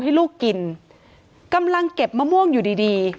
ให้ลูกกินกำลังเก็บมะม่วงอยู่ดีดี